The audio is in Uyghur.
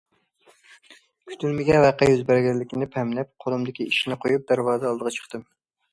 كۈتۈلمىگەن ۋەقە يۈز بەرگەنلىكىنى پەملەپ، قولۇمدىكى ئىشنى قويۇپ، دەرۋازا ئالدىغا چىقتىم.